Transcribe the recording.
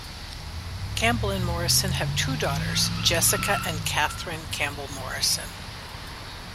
Campbell and Morrison have two daughters, Jessica and Catherine Campbell-Morrison.